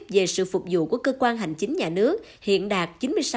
tổ chức về sự phục vụ của cơ quan hành chính nhà nước hiện đạt chín mươi sáu ba mươi tám